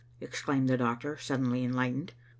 exclaimed the doctor suddenly en lighten§4.